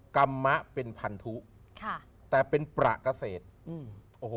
กรรมะเป็นพันธุแต่เป็นประเกษตร